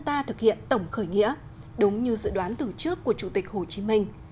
ta thực hiện tổng khởi nghĩa đúng như dự đoán từ trước của chủ tịch hồ chí minh